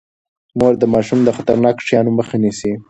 مور د ماشوم د خطرناکو شيانو مخه نيسي.